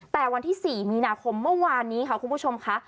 แต่วันที่๔มีนาคมเมื่อวานนี้ค่ะคุณผู้ชมค่ะ